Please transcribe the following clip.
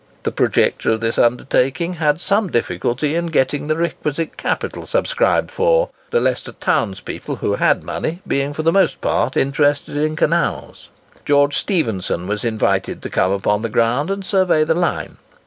The projector of this undertaking had some difficulty in getting the requisite capital subscribed for, the Leicester townspeople who had money being for the most part interested in canals. George Stephenson was invited to come upon the ground and survey the line.